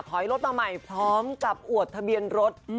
ถอยรถมาใหม่พร้อมกับอวดทะเบียนรถ